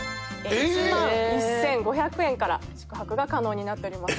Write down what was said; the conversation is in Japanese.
１万１５００円から宿泊が可能になっております。